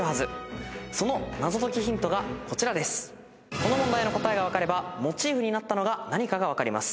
この問題の答えが分かればモチーフになったのが何かが分かります。